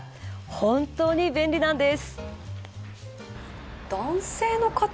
本当に便利なんです。